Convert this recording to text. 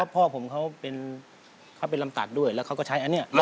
พ่อผมเขาเป็นลำตัดด้วยแล้วเขาก็ใช้อันนี้